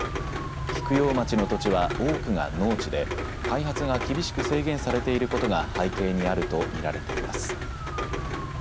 菊陽町の土地は多くが農地で開発が厳しく制限されていることが背景にあると見られています。